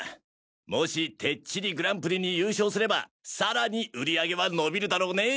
もしてっちりＧＰに優勝すればさらに売り上げは伸びるだろうね！